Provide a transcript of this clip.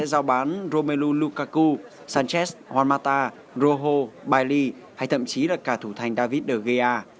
sẽ giao bán romelu lukaku sanchez juan mata rojo bailly hay thậm chí là cả thủ thành david de gea